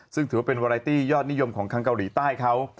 ซึ่งถือว่าเป็นวารายตี้ยอดนิยมของทางเกาหลีใต้เขา